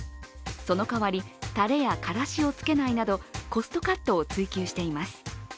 その代わり、たれやからしをつけないなどコストカットを追求しています。